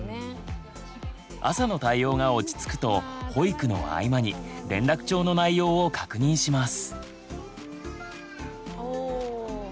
朝の対応が落ち着くと保育の合間に連絡帳の内容を確認します。